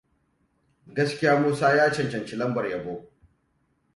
Gaskiya Musa ya cancanci lambar yabo.